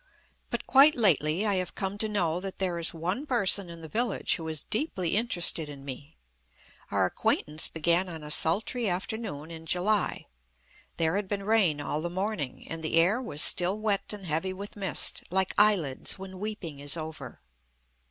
But quite lately I have come to know that there is one person in the village who is deeply interested in me. Our acquaintance began on a sultry afternoon in July. There had been rain all the morning, and the air was still wet and heavy with mist, like eyelids when weeping is over.